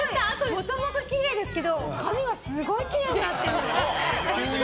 もともときれいですけど髪がすごいきれいになってるの。